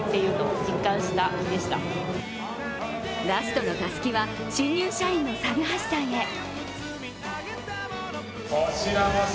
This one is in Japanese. ラストのたすきは新入社員の猿橋さんへ。